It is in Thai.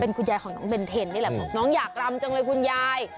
คุณยายของน้องเบนเทนนี่แหละบอกน้องอยากรำจังเลยคุณยาย